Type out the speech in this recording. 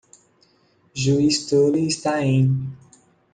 Juiz Tully está em.